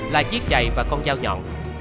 là chiếc giày và con dao nhọn